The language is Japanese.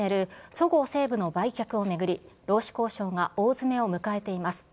そごう・西武の売却を巡り、労使交渉が大詰めを迎えています。